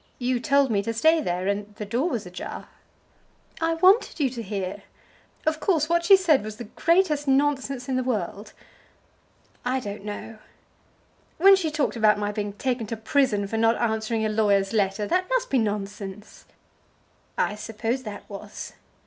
You told me to stay there, and the door was ajar." "I wanted you to hear. Of course what she said was the greatest nonsense in the world." "I don't know." "When she talked about my being taken to prison for not answering a lawyer's letter, that must be nonsense?" "I suppose that was."